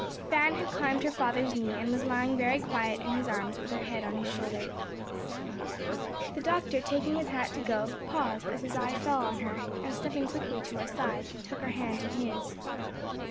Fan had climbed her father's knee and was lying very quiet in his arms with her head on his shoulder. The doctor taking his hat to go, paused as his eye fell on her, and stepping quickly to her side, took her hand in his.